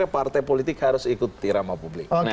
partai politik harus ikut dirama publik